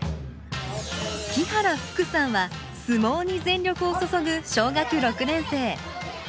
木原福さんは相撲に全力を注ぐ小学６年生。